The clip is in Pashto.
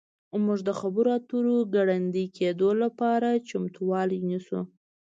موږ د خبرو اترو د ګړندي کیدو لپاره چمتووالی نیسو